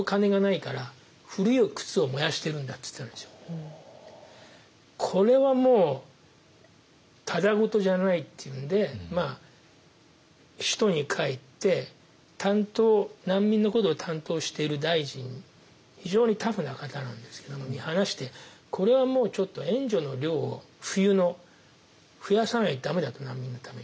もうこれはもうただごとじゃないっていうんで首都に帰って難民のことを担当している大臣非常にタフな方なんですけどもに話してこれはもうちょっと援助の量を冬の増やさないと駄目だと難民のために。